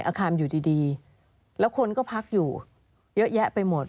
อาคารอยู่ดีแล้วคนก็พักอยู่เยอะแยะไปหมด